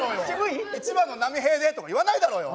「１番の波平で」とか言わないだろうよ！